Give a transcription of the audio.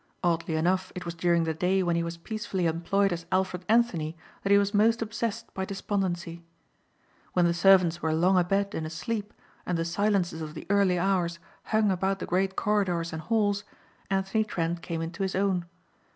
Oddly enough it was during the day when he was peacefully employed as Alfred Anthony that he was most obsessed by despondency. When the servants were long abed and asleep and the silences of the early hours hung about the great corridors and halls Anthony Trent came into his own.